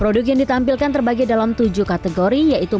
produk yang ditampilkan terbagi dalam tujuh kategori yaitu